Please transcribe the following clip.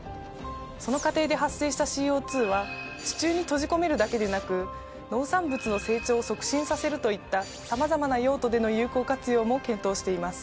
その過程で発生したＣＯは地中に閉じ込めるだけでなく農産物の成長を促進させるといったさまざまな用途での有効活用も検討しています。